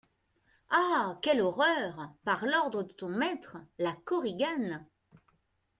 Ah ! quelle horreur ! Par l'ordre de ton maître ? LA KORIGANE.